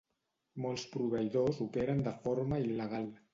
Molts proveïdors operen de forma il·legal.